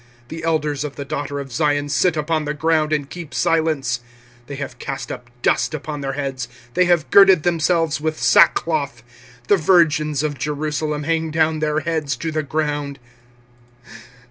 25:002:010 The elders of the daughter of Zion sit upon the ground, and keep silence: they have cast up dust upon their heads; they have girded themselves with sackcloth: the virgins of Jerusalem hang down their heads to the ground.